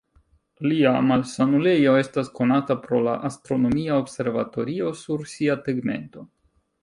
Lia malsanulejo estas konata pro la astronomia observatorio sur sia tegmento.